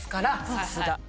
さすが。